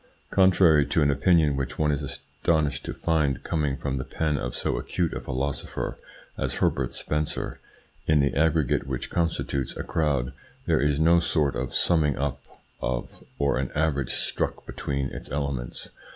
Contrary to an opinion which one is astonished to find coming from the pen of so acute a philosopher as Herbert Spencer, in the aggregate which constitutes a crowd there is in no sort a summing up of or an average struck between its elements.